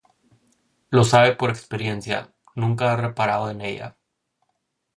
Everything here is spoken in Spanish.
Lo sabe por experiencia: nunca ha reparado en ella.